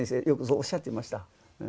よくそうおっしゃっていました。